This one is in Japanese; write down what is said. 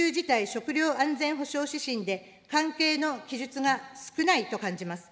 食料安全保障指針で関係の記述が少ないと感じます。